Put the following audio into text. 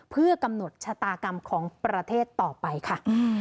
เพื่อกำหนดชะตากรรมของประเทศต่อไปค่ะ